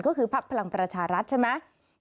ก็คือพักพลังประชารัฐใช่ไหม